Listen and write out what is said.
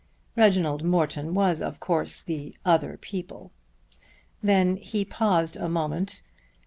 Reginald Morton was of course the "other people." Then he paused a moment.